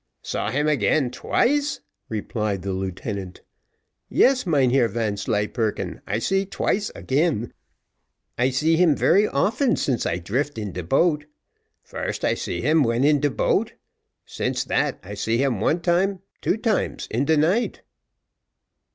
"Saw him again twice!" replied the lieutenant. "Yes, Mynheer Vanslyperken, I see twice again I see him very often since I drift in de boat. First, I see him when in de boat since that I see him one time, two times, in de night."